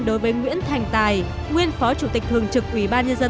đối với nguyễn thành tài nguyên phó chủ tịch thường trực ủy ban nhân dân